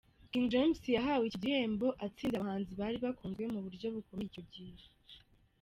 King James yahawe iki gihembo atsinze abahanzi bari bakunzwe mu buryo bukomeye icyo gihe.